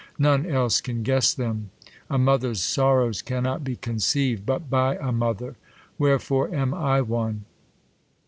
None else can guess them* A mother's sorrows cannot be conceiv'd, But by a mother. Wherefore am I one